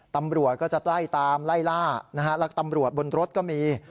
ตำรวจก็จะไล่ตามไล่ล่านะฮะแล้วตำรวจบนรถก็มี